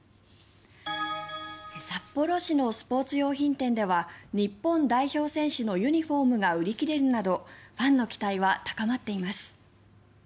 札幌市のスポーツ用品店では日本代表選手のユニホームが売り切れるなどファンの期待は高まっています。